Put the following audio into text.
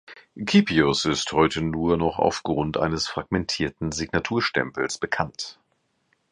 Cipius ist heute nur noch aufgrund eines fragmentierten Signaturstempels bekannt.